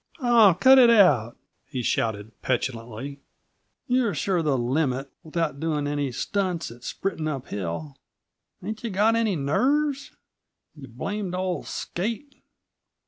"Aw, cut it out!" he shouted petulantly. "You're sure the limit, without doing any stunts at sprinting up hill. Ain't yuh got any nerves, yuh blamed old skate?